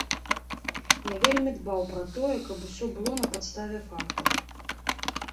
Я вельмі дбаў пра тое, каб ўсё было на падставе фактаў.